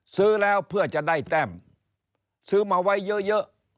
ซื้อแล้วเพื่อจะได้แต้มซื้อมาไว้เยอะ